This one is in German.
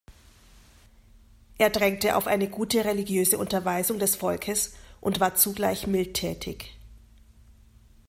Er drängte auf eine gute religiöse Unterweisung des Volkes und war zugleich mildtätig.